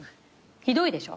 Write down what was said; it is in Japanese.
ひどいでしょ？